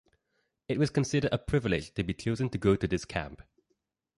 It was considered a privilege to be chosen to go to this camp.